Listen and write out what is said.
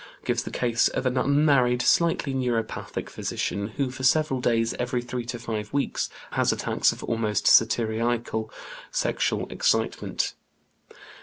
1908) gives the case of an unmarried slightly neuropathic physician who for several days every three to five weeks has attacks of almost satyriacal sexual excitement.